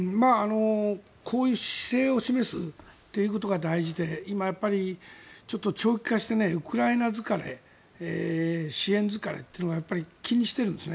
こういう姿勢を示すということが大事で今、やっぱりちょっと長期化してウクライナ疲れ支援疲れというのがやっぱり気にしているんです。